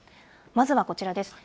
まずはこちらです。